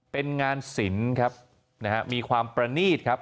เป็นงานศิลป์ครับนะฮะมีความประนีตครับ